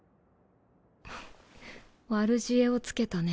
フッ悪知恵をつけたね